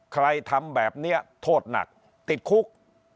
ทำแบบนี้โทษหนักติดคุก